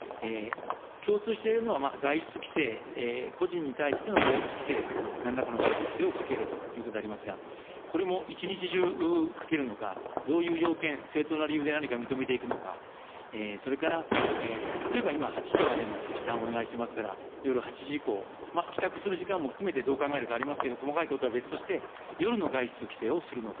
共通しているのは、外出規制、個人に対しての外出規制、なんらかの外出規制をかけるということでありますが、これも一日中かけるのか、どういう要件、正当な理由で何か認めていくのか、それから例えば今、８時までの時短をお願いしていますから、夜８時以降、帰宅する時間も含めてどう考えるかでありますけれども、細かいことは別として、夜の外出規制をするのか。